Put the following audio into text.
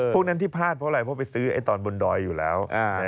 พวกนั้นที่พลาดเพราะอะไรเพราะไปซื้อตอนบนดอยอยู่แล้ว